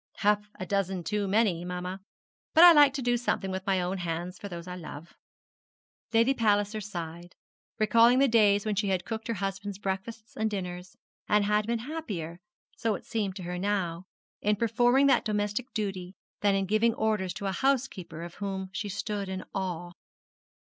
'Half a dozen too many, mamma; but I like to do something with my own hands for those I love.' Lady Palliser sighed, recalling the days when she had cooked her husband's breakfasts and dinners, and had been happier so it seemed to her now in performing that domestic duty than in giving orders to a housekeeper of whom she stood in awe.